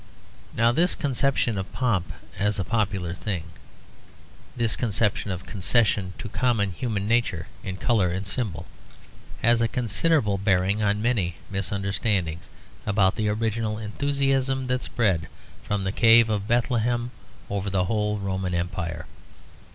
Now this conception of pomp as a popular thing, this conception of a concession to common human nature in colour and symbol, has a considerable bearing on many misunderstandings about the original enthusiasm that spread from the cave of Bethlehem over the whole Roman Empire.